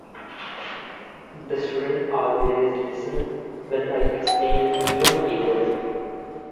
The students always listen when I explain new material.